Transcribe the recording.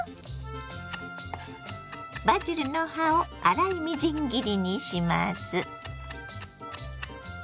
バジルの葉を粗いみじん切りにします。